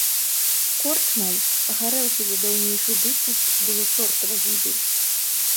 Корчмаў, гарэлкі за даўнейшую бытнасцю было чортава гібель.